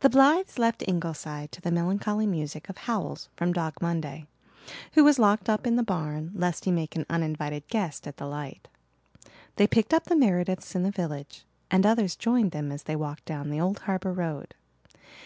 The Blythes left Ingleside to the melancholy music of howls from Dog Monday, who was locked up in the barn lest he make an uninvited guest at the light. They picked up the Merediths in the village, and others joined them as they walked down the old harbour road.